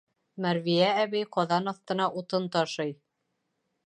Мәрвиә әбей ҡаҙан аҫтына утын ташый.